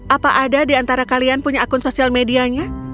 apa ada di antara kalian punya akun sosial medianya